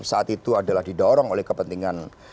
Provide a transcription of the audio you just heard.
saat itu adalah didorong oleh kepentingan